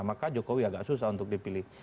maka jokowi agak susah untuk dipilih